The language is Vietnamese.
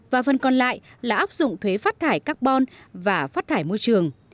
và phần còn lại là áp dụng thuế phát thải carbon và phát thải môi trường